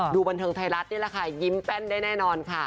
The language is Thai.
บันเทิงไทยรัฐนี่แหละค่ะยิ้มแป้นได้แน่นอนค่ะ